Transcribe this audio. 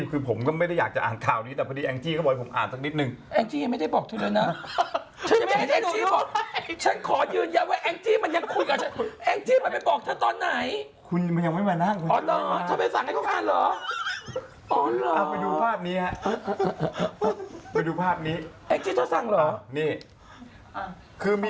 คือมีข้อมูลนะครับ